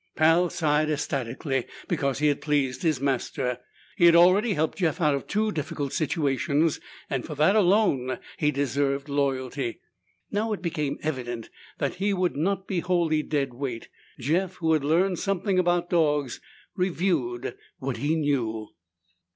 Pal sighed ecstatically because he had pleased his master. He had already helped Jeff out of two difficult situations, and for that alone he deserved loyalty. Now it became evident that he would not be wholly dead weight. Jeff, who had learned something about dogs, reviewed what he knew.